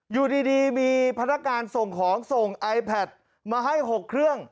อยู่ดีมีพนักการส่งของส่งไอแพทมาให้๖เครื่อง